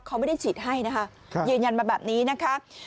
เขาไม่ได้ฉีดให้นะคะยืนยันมาแบบนี้นะคะ